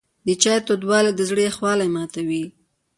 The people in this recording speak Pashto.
د چای تودوالی د زړه یخوالی ماتوي.